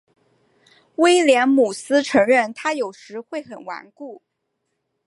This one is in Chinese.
威廉姆斯承认他有时会很顽固。